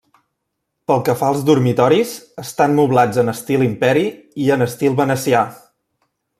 Pel que fa als dormitoris, estan moblats en estil imperi i en estil venecià.